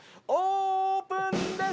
オープンです！